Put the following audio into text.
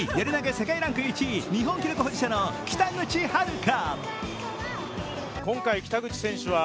世界ランク１位、日本記録保持者の北口榛花。